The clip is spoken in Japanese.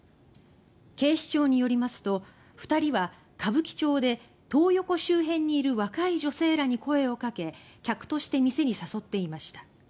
警視庁によりますと２人は歌舞伎町でトー横周辺にいる若い女性らに声をかけ客として店に誘っていました。